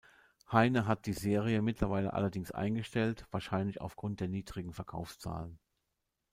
Heyne hat die Serie mittlerweile allerdings eingestellt, wahrscheinlich aufgrund der niedrigen Verkaufszahlen.